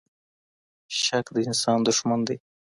شک د انسان دښمن دی.